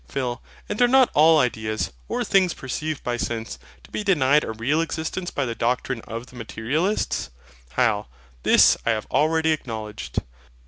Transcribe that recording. PHIL. And are not all ideas, or things perceived by sense, to be denied a real existence by the doctrine of the Materialist? HYL. This I have already acknowledged.